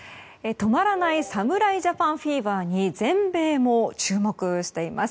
止まらない侍ジャパンフィーバーに全米も注目しています。